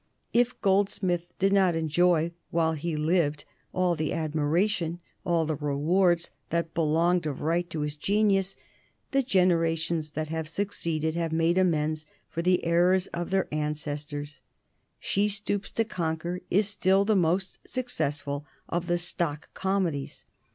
If Goldsmith did not enjoy while he lived all the admiration, all the rewards that belonged of right to his genius, the generations that have succeeded have made amends for the errors of their ancestors. "She Stoops to Conquer" is still the most successful of the stock comedies.